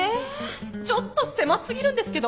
ちょっと狭過ぎるんですけど。